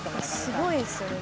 すごいですよね。